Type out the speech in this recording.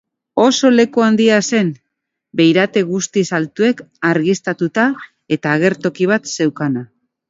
Aurrekontua jaitsi egin da eta programazioa lau egunetan kontzentratuko da.